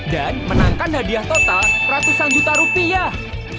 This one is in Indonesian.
dan menangkan hadiah total ratusan juta rupiah